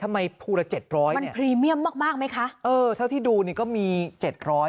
ภูละเจ็ดร้อยมันพรีเมียมมากมากไหมคะเออเท่าที่ดูนี่ก็มีเจ็ดร้อย